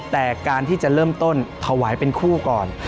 แต่การที่จะเริ่มต้นถวายเป็นคู่ก่อน